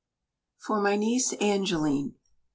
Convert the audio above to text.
FOR MY NIECE ANGELINE.